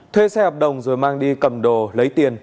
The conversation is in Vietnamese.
thuê xe hợp đồng rồi mang đi cầm đồ lấy tiền